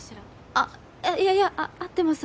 あっいやいや合ってます。